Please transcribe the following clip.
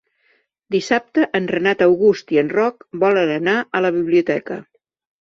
Dissabte en Renat August i en Roc volen anar a la biblioteca.